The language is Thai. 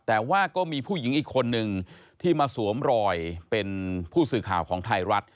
แต่ว่าก็มีผู้หญิงอีกคนนึงที่มาสวมรอยเป็นผู้สื่อข่าวของไทยรัฐ